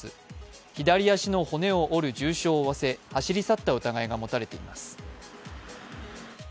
左足の骨を折る重傷を負わせ走り去った疑いが持たれています。